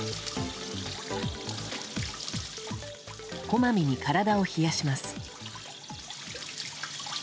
こまめに体を冷やします。